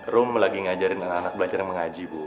rum lagi ngajarin anak anak belajar mengaji bu